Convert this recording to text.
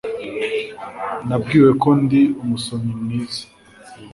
Nabwiwe ko ndi umusomyi mwiza